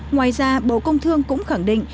ngoài ra bộ công thương cũng khẳng định